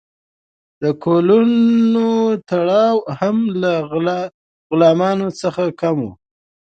د کولونو تړاو هم له غلامانو څخه کم و.